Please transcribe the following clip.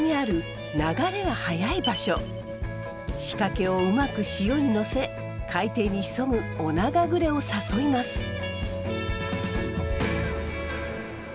仕掛けをうまく潮にのせ海底に潜むオナガグレを誘います。